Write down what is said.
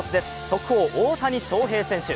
速報、大谷翔平選手。